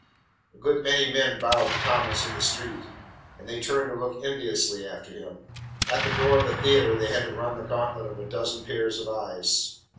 A good many men bowed to Thomas in the street, and they turned to look enviously after him. At the door of the theatre they had to run the gantlet of a dozen pairs of eyes.